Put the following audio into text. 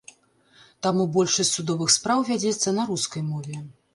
Таму большасць судовых спраў вядзецца на рускай мове.